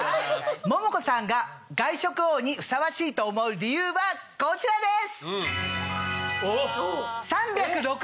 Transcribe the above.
モモコさんが外食王にふさわしいと思う理由はこちらです！